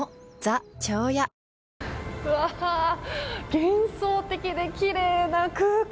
幻想的で、きれいな空間。